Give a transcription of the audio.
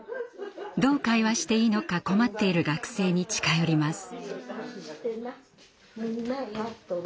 どう会話していいのか困っている学生に近寄ります。